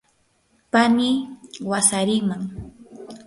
pani wasariman.